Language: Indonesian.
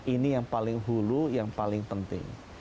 ini yang paling hulu yang paling penting